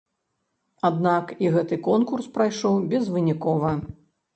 Аднак і гэты конкурс прайшоў безвынікова.